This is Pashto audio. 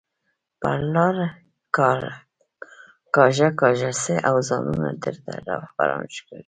پر لار کاږه کاږه ځئ او ځانونه درته رهبران ښکاري